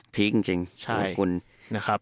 พีคจริง